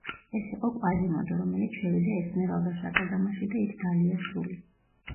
ეს იყო კვაზიმოდო, რომელიც შევიდა ესმერალდას აკლდამაში და იქ დალია სული.